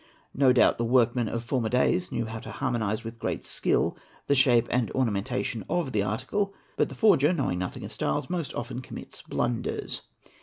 No doubt the workman of former days knew how to harmonize with great skill the shape and ornamentation of the article. But the forger, knowing nothing of styles, most often commits blunders.